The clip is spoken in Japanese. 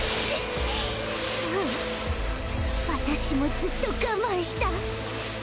私もずっと我慢した。